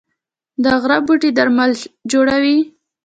د غره بوټي درمل جوړوي